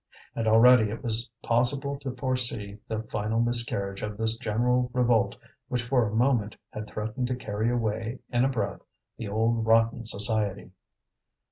And already it was possible to foresee the final miscarriage of this general revolt which for a moment had threatened to carry away in a breath the old rotten society.